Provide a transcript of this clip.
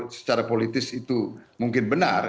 secara politis itu mungkin benar